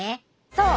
そう。